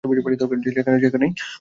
যে যেখানে আছো সেখানেই থাকো।